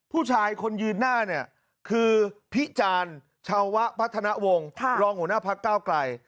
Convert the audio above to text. ผู้ชายคนยืนหน้าเนี่ยคือพิจารณ์ชาวะพัฒนาวงศ์รองหัวหน้าพักเก้าไกล